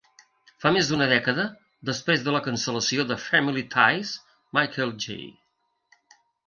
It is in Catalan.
Fa més d'una dècada, després de la cancel·lació de "Family Ties", Michael J.